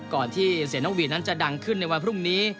ก่อนที่เสียน้องหวีนั้นจะดังขึ้นในวันพรุ่งนี้